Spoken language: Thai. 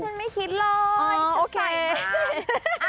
ฉันไม่คิดเลยฉันใส่ไง